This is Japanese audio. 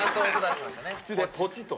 口で「ポチっ！」と。